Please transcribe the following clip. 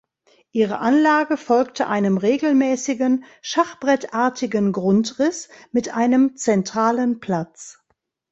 Ihre Anlage folgte einem regelmäßigen, schachbrettartigen Grundriss mit einem zentralen Platz.